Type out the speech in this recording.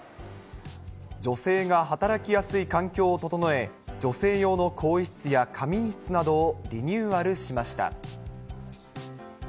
女性が働きやすい環境を整え、女性用の更衣室や仮眠室などをリニューアルしました。